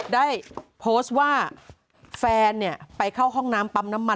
ได้โพสต์ว่าแฟนไปเข้าห้องน้ำปั๊มน้ำมัน